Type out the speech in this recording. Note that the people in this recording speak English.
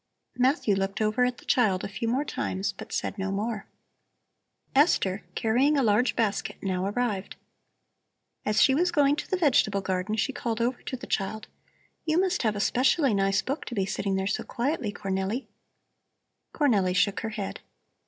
Matthew looked over at the child a few more times, but said no more. Esther, carrying a large basket, now arrived. As she was going to the vegetable garden she called over to the child: "You must have a specially nice book to be sitting there so quietly, Cornelli." Cornelli shook her head.